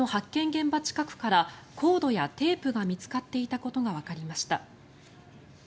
現場近くからコードやテープが見つかっていたことがわかりました。